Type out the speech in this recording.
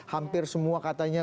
hampir semua katanya